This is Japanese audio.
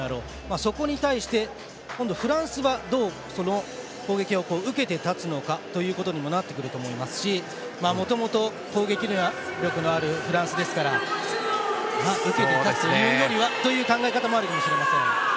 そこに対して今度はフランスはどう、その攻撃を受けて立つのかというところにもなってくると思いますしもともと、攻撃力のあるフランスですから受けて立つというよりはという考え方もあるかもしれません。